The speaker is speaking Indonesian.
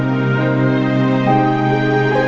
sekarang tante dewi harus kerja